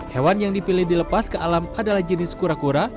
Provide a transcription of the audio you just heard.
hewan yang dipilih dilepas ke alam adalah jenis kura kura